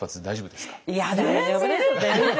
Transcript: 大丈夫ですよ。